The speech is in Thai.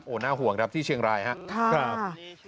โอ้น่าห่วงที่เชียงรายครับ